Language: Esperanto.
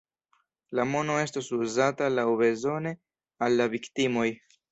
La mono estos uzata laŭbezone al la viktimoj.